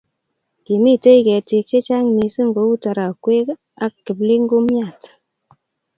Kimitei hetik cche chang mising kou tarokwet ak kipligumiat